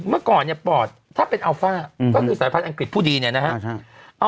เมื่อก่อนเนี่ยปอดถ้าเป็นอัลฟ่าก็คือสายพันธ์อังกฤษผู้ดีเนี่ยนะฮะ